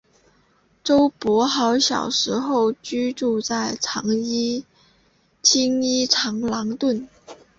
周柏豪小时候居住在青衣长康邨。